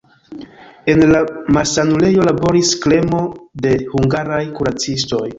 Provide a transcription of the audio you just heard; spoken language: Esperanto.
En la malsanulejo laboris kremo de hungaraj kuracistoj.